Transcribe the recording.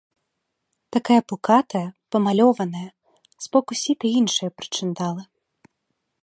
Такая пукатая, памалёваная, з боку сіты і іншыя прычындалы.